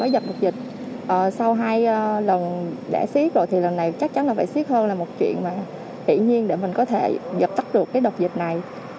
để siết rồi thì lần này chắc chắn là phải siết hơn là một chuyện mà tự nhiên để mình có thể giật tắt được cái đợt dịch này